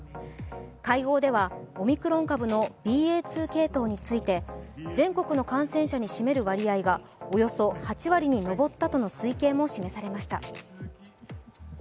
会合ではオミクロン株のＢＡ．２系統について全国の感染者に占める割合がおよそ８割に上ったとの推計も示されました。